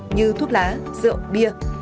như thuốc lá rượu bia